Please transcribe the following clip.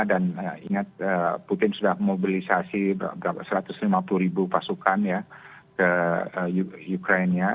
dan ingat putin sudah memobilisasi satu ratus lima puluh ribu pasukan ke ukraina